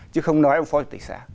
chứ không nói ông phó chủ tịch xã